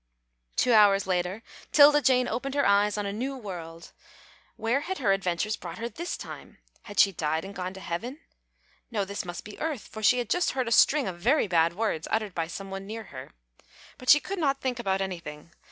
Two hours later, 'Tilda Jane opened her eyes on a new world. Where had her adventures brought her this time? Had she died and gone to heaven? No, this must be earth, for she had just heard a string of very bad words uttered by some one near her. But she could not think about anything.